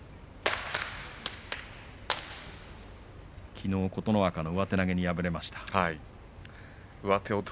きのう琴ノ若の上手投げに敗れました、正代です。